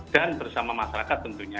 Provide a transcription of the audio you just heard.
dan bersama masyarakat tentunya